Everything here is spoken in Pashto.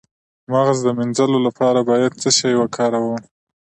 د مغز د مینځلو لپاره باید څه شی وکاروم؟